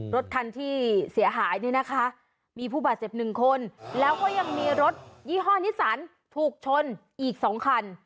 รถคันที่เสียหายเนี่ยนะคะมีผู้บาดเจ็บหนึ่งคนแล้วก็ยังมีรถยี่ห้อนิสันถูกชนอีก๒คัน